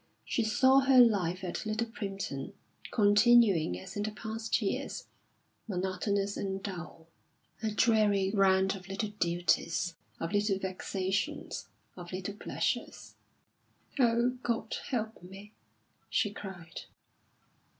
She saw her life at Little Primpton, continuing as in the past years, monotonous and dull a dreary round of little duties, of little vexations, of little pleasures. "Oh, God help me!" she cried.